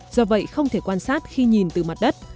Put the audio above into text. do vậy không thể quan sát khi nhìn từ mặt đất